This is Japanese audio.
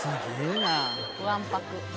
わんぱく。